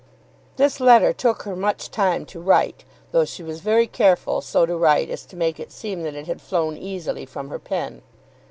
This letter took her much time to write, though she was very careful so to write as to make it seem that it had flown easily from her pen.